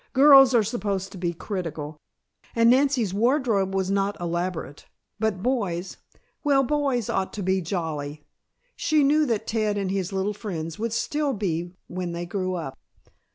Girls are supposed to be critical, and Nancy's wardrobe was not elaborate, but boys well boys ought to be jolly. She knew that Ted and his little friends would still be when they grew up.